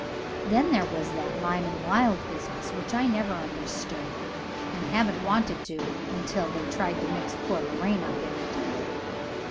Then there was that Lyman Wilde business, which I never understood and haven't wanted to until they tried to mix poor Lorraine up in it.